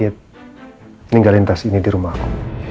semalam ricky ninggalin tas ini di rumah aku